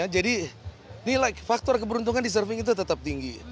jadi nilai faktor keberuntungan di surfing itu tetap tinggi